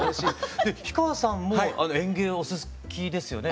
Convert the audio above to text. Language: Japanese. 氷川さんも園芸お好きですよね。